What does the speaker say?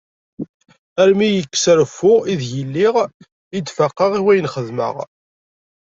Arm iyi-ikkes reffu i deg lliɣ i d-faqeɣ i wayen i xedmeɣ.